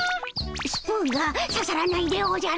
スプーンがささらないでおじゃる。